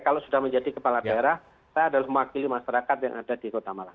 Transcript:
kalau sudah menjadi kepala daerah saya adalah mewakili masyarakat yang ada di kota malang